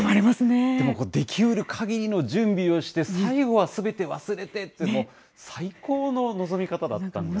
でもこれ、できうるかぎりの準備をして、最後はすべて忘れてってもう、最高の臨み方だったんですね。